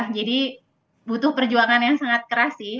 butuh perjuangan yang sangat keras sih